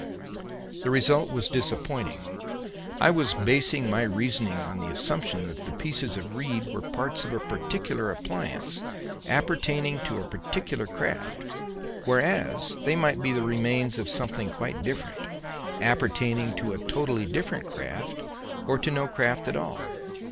The result was disappointing. I was basing my reasoning on the assumption that the pieces of reed were parts of a particular appliance, appertaining to a particular craft; whereas they might be the remains of something quite different, appertaining to a totally different craft or to no craft at all.